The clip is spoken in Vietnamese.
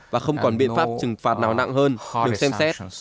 và không còn biện pháp trừng phạt nào nặng hơn được xem xét